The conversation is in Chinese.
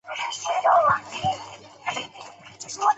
对面为台大医院与台大医学院。